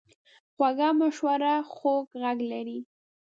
خوږه مشوره خوږ غږ لري.